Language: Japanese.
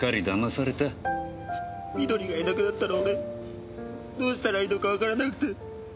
美登里がいなくなったら俺どうしたらいいのかわからなくて。